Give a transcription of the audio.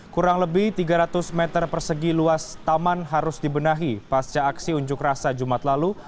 kurang lebih tiga ratus meter persegi luas taman harus dibenahi pasca aksi unjuk rasa jumat lalu